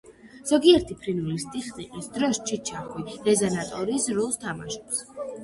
ზოგიერთი ფრინველის ტიხტიხის დროს ჩიჩახვი რეზონატორის როლს თამაშობს.